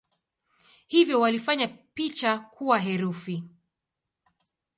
Hivyo walifanya picha kuwa herufi.